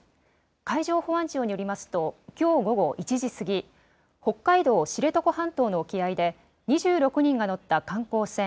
海上保安庁によりますと、きょう午後１時過ぎ、北海道知床半島の沖合で、２６人が乗った観光船